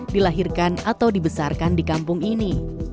dilahirkan atau dibesarkan di kampung ini